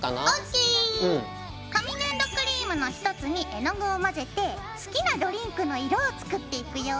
紙粘土クリームの１つに絵の具を混ぜて好きなドリンクの色を作っていくよ。